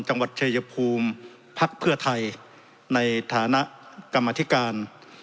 จังหวัดชายภูมิพักเพื่อไทยในฐานะกรรมธิการ